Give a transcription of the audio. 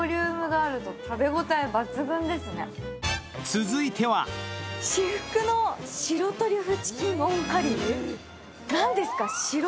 続いては至福の白トリュフチキンＯＮカリー。